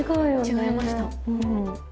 違いました。